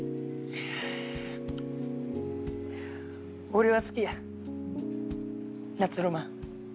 俺は好きや夏ロマン。